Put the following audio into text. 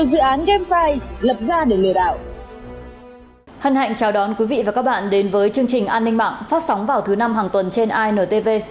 hận chào đón quý vị và các bạn đến với chương trình an ninh mạng phát sóng vào thứ năm hàng tuần trên intv